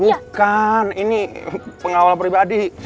bukan ini pengawal pribadi